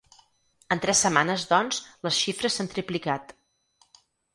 En tres setmanes, doncs, les xifres s’han triplicat.